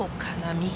右。